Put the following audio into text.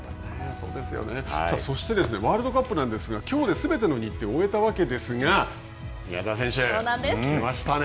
そしてワールドカップなんですが、きょうですべての日程を終えたわけですが、宮澤選手、来ましたね。